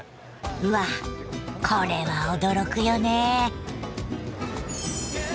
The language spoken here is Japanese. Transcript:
うわっこれは驚くよね。